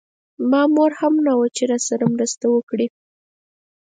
مامور هم نه و چې راسره مرسته وکړي.